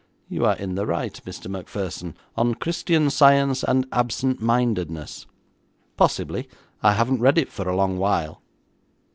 'You are in the right, Mr. Macpherson; on Christian Science and Absent Mindedness.' 'Possibly. I haven't read it for a long while.'